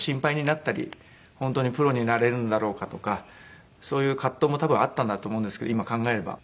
本当にプロになれるんだろうかとかそういう葛藤も多分あったんだと思うんですけど今考えれば。